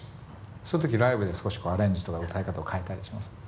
そういう時ライブで少しアレンジとか歌い方を変えたりしません？